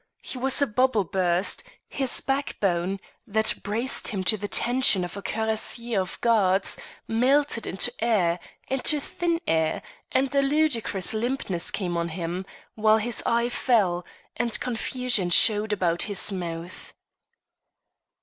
He was a bubble burst, his backbone that braced him to the tension of a cuirassier of guards melted into air, into thin air, and a ludicrous limpness came on him, while his eye fell, and confusion showed about his mouth.